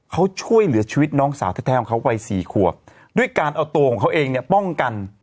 เขาช่วยเหลือชีวิตน้องสาวแท้ของเขาวัยสี่ขวบด้วยการเอาตัวของเขาเองเนี่ยป้องกัน